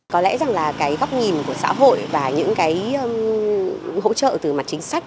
có lẽ rằng là cái góc nhìn của xã hội và những cái hỗ trợ từ mặt chính sách